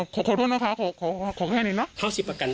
ขอโทษนะคะขอแค่นี้เนอะ